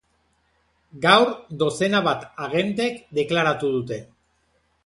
Gaur dozena bat agentek deklaratu dute.